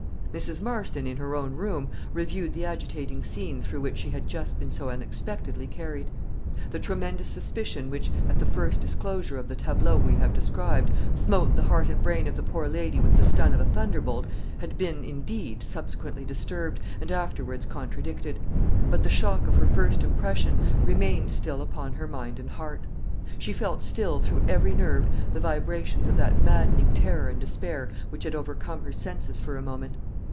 Mrs. Marston, in her own room, reviewed the agitating scene through which she had just been so unexpectedly carried. The tremendous suspicion which, at the first disclosure of the tableau we have described, smote the heart and brain of the poor lady with the stun of a thunderbolt, had been, indeed, subsequently disturbed, and afterwards contradicted; but the shock of her first impression remained still upon her mind and heart. She felt still through every nerve the vibrations of that maddening terror and despair which had overcome her senses for a moment.